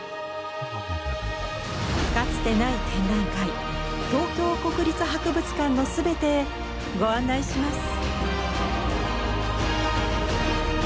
かつてない展覧会「東京国立博物館のすべて」へご案内します。